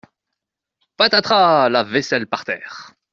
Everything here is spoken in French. Patatras ! La vaisselle par terre !